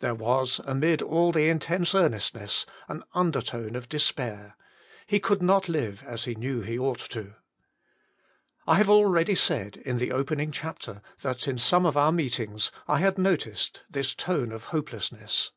There was, amid all the intense earnestness, an undertone of despair ; he could not live as he knew he ought to. I have already said, in the opening chapter, that in some of our meetings I had noticed this tone of hopelessness.